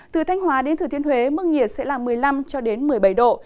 từ thanh hóa đến thừa thiên huế mức nhiệt sẽ là một mươi năm một mươi bảy độ